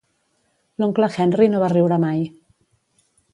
L"oncle Henry no va riure mai.